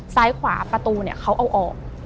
ซ้ายขวาประตูเนี่ยเขาเอาออก